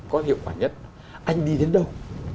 có hiệu quả nhất anh đi đến đâu